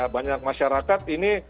banyak masyarakat ini